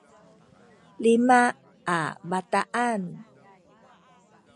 lima a bataan